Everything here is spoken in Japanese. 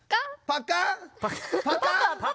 パパ